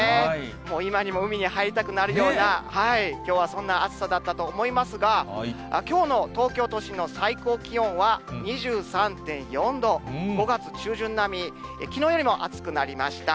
もう今にも海に入りたくなるような、きょうはそんな暑さだったと思いますが、きょうの東京都心の最高気温は、２３．４度、５月中旬並み、きのうよりも暑くなりました。